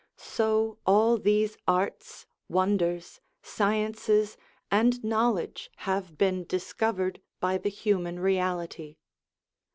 So all these arts, wonders, sciences, and knowledge, have been discovered by the human reality.